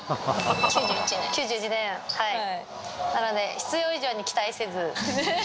なので、必要以上に期待せず。